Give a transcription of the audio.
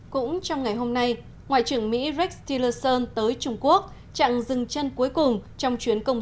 cũng trong ngày hôm nay ngoại trưởng mỹ rex tillerson tới trung quốc chặng dừng chân cuối cùng